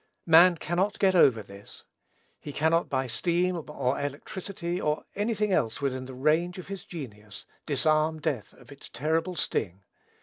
Man cannot get over this. He cannot, by steam, or electricity, or any thing else within the range of his genius, disarm death of its terrible sting.